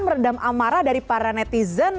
meredam amarah dari para netizen